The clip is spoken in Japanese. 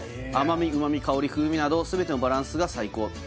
甘み旨み香り風味など全てのバランスが最高